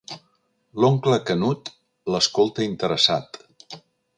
L'oncle Canut l'escolta interessat.